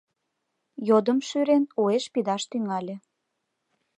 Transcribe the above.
Йодым шӱрен, уэш пидаш тӱҥале.